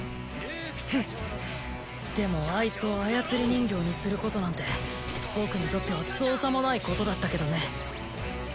フンでもあいつを操り人形にすることなんて僕にとっては造作もないことだったけどね。